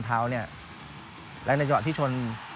ในถ่วงชน